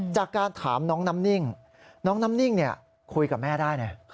จากการถามน้องน้ำนิ่งน้องน้ำนิ่งคุยกับแม่ได้นะ